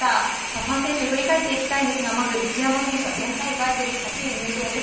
３選手、振り返っていきたいんですが、まず一山選手は４大会ぶり８位入賞です。